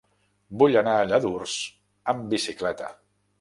Vull anar a Lladurs amb bicicleta.